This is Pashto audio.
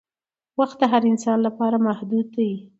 وخت د هر انسان لپاره محدود دی